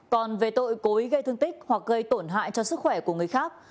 còn về tội cố ý gây thương tích hoặc gây tổn hại cho sức khỏe của người khác